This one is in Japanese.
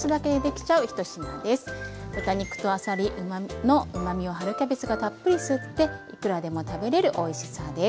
豚肉とあさりのうまみを春キャベツがたっぷり吸っていくらでも食べれるおいしさです。